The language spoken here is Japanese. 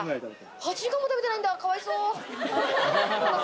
８時間も食べてないんだ、かわいそう。